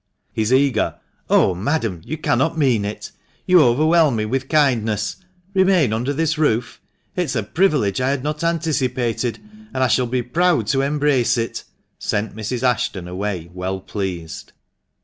His eager "Oh, madam, you cannot mean it! You overwhelm me with kindness. Remain under this roof! It is a privilege I had not anticipated, and I shall be proud to embrace it!" sent Mrs. Ashton away well pleased.